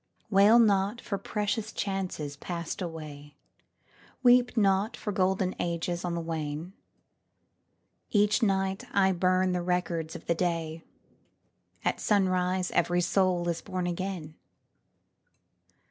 [ 27 ] Selected Poems Wail not for precious chances passed away, Weep not for golden ages on the wane ! Each night I burn the records of the day, — At sunrise every soul is born again